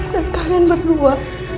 dan kalian berdua